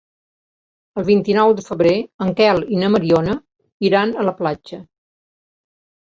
El vint-i-nou de febrer en Quel i na Mariona iran a la platja.